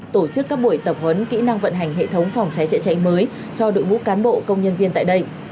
tổ chức các buổi tập huấn kỹ năng vận hành hệ thống phòng cháy chữa cháy mới